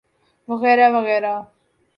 وغیرہ وغیرہ۔